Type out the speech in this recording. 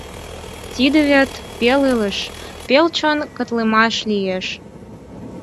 Тиде вет — пел илыш, пел чон катлымаш лиеш...